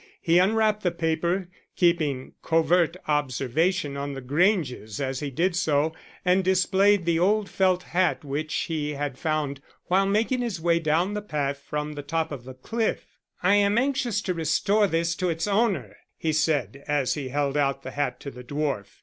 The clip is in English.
He unwrapped the paper, keeping covert observation on the Granges as he did so, and displayed the old felt hat which he had found while making his way down the path from the top of the cliff. "I am anxious to restore this to its owner," he said, as he held out the hat to the dwarf.